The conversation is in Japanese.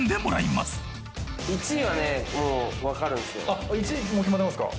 あっ１位もう決まってますか。